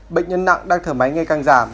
bệnh nhân nặng đang thở máy ngày càng giảm